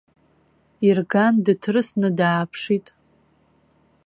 Ирган дыҭрысны дааԥшит.